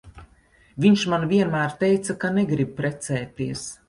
Viņš man vienmēr teica, ka negrib precēties.